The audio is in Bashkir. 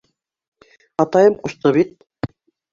— Атайым ҡушты бит.